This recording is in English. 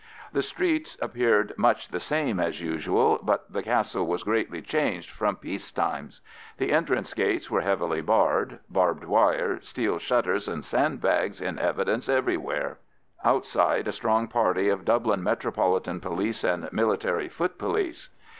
The streets appeared much the same as usual, but the Castle was greatly changed from peace times. The entrance gates were heavily barred; barbed wire, steel shutters, and sandbags in evidence everywhere. Outside, a strong party of Dublin Metropolitan Police and Military Foot Police.